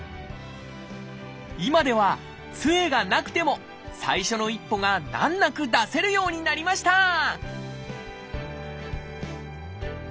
今ではつえがなくても最初の一歩が難なく出せるようになりました！